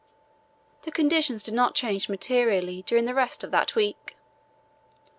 The conditions did not change materially during the rest of that week.